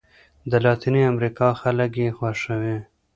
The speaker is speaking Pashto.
د لاتیني امریکا خلک یې خوښوي.